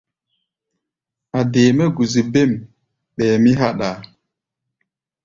A̧ dee mɛ́ gusi bêm, ɓɛɛ mí háɗʼaa.